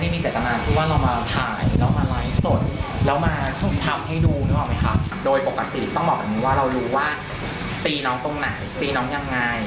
ปกติต้องบอกแบบนี้ว่าเรารู้ว่าตีน้องตรงไหนตีน้องยังไง